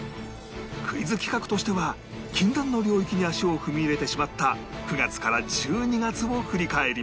クイズ企画としては禁断の領域に足を踏み入れてしまった９月から１２月を振り返ります